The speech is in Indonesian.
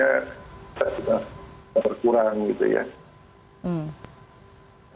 ya mungkin ya malam ini